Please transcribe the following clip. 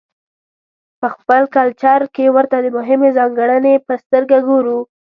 په خپل کلچر کې ورته د مهمې ځانګړنې په سترګه ګورو.